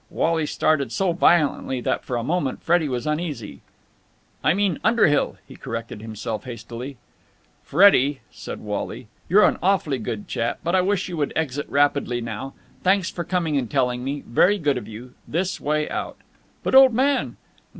Wally started so violently that for a moment Freddie was uneasy. "I mean Underhill," he corrected himself hastily. "Freddie," said Wally, "you're an awfully good chap, but I wish you would exit rapidly now! Thanks for coming and telling me, very good of you. This way out!" "But, old man...!"